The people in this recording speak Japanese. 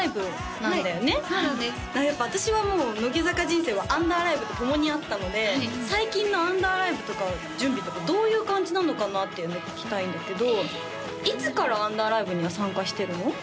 そうなんですやっぱ私はもう乃木坂人生はアンダーライブと共にあったので最近のアンダーライブとか準備とかどういう感じなのかな？っていうのを聞きたいんだけどいつからアンダーライブには参加してるの？